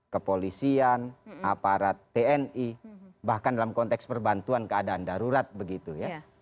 kepolisian aparat tni bahkan dalam konteks perbantuan keadaan darurat begitu ya